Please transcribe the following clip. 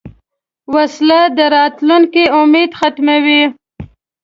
وسله د راتلونکې امید ختموي